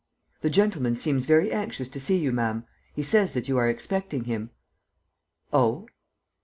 "The gentleman seems very anxious to see you, ma'am. He says that you are expecting him." "Oh